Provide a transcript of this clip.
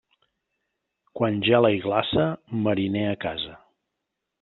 Quan gela i glaça, mariner a casa.